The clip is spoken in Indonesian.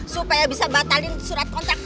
supaya bisa batalin surat kontak